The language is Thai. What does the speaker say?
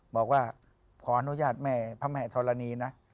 บอกว่าขออนุญาตแม่พระแม่ธรณีนะ